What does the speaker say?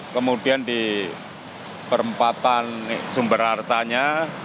kemudian di perempatan sumber hartanya